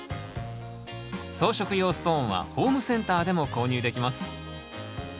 装飾用ストーンはホームセンターでも購入できます。